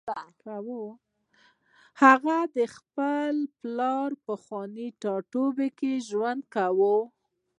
هغه د خپل پلار په پخواني ټاټوبي کې ژوند کاوه